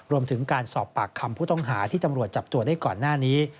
รวมถึงการสอบปากคำผู้ต้องหาที่ตำรวจจับตัวได้ก่อนหน้านี้